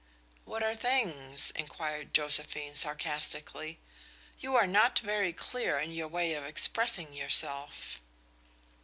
"What are 'things'?" inquired Josephine, sarcastically. "You are not very clear in your way of expressing yourself."